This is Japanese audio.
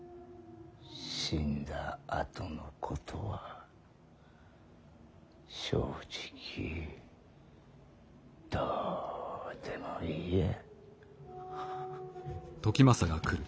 死んだあとのことは正直どうでもいいや。